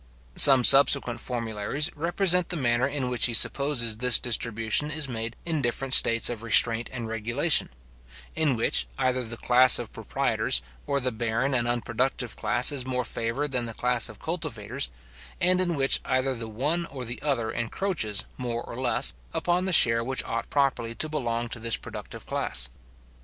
Some subsequent formularies represent the manner in which he supposes this distribution is made in different states of restraint and regulation; in which, either the class of proprietors, or the barren and unproductive class, is more favoured than the class of cultivators; and in which either the one or the other encroaches, more or less, upon the share which ought properly to belong to this productive class.